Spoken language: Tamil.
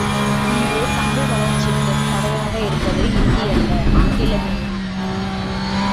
இன்று தமிழ் வளர்ச்சிக்குத் தடையாக இருப்பது இந்தியல்ல ஆங்கிலமேயாம்.